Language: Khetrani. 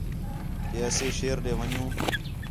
کہ اَسے شیر ݙے ون٘ڄوں